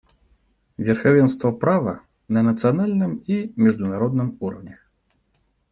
Верховенство права на национальном и международном уровнях.